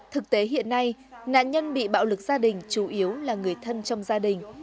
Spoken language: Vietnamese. thực tế hiện nay nạn nhân bị bạo lực gia đình chủ yếu là người thân trong gia đình